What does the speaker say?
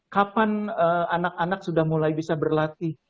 kapan anak anak sudah mulai bisa berlatih